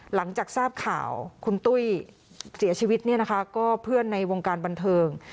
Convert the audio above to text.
หลังจากทราบข่าวคุณตุ้ยเสียชีวิตเนี่ยนะคะก็เพื่อนในวงการบันเทิง